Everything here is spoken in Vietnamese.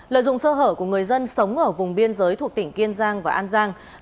lợi dụng sơ hở của người dân sống ở vùng biên giới thuộc tỉnh kiên giang và an giang